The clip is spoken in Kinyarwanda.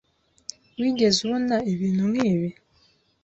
Wigeze ubona ibintu nkibi?